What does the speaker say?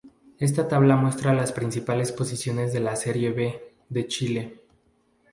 Esta tabla muestra las principales posiciones de la Serie B de Chile.